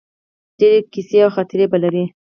ډیرې قیصې او خاطرې به لرې